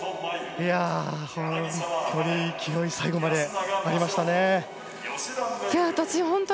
本当に勢いが最後までありましたね。